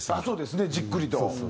そうですねじっくりと。